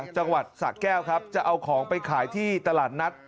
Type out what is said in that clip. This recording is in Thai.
จังหวัดสะแก้วครับจะเอาของไปขายที่ตลาดนัด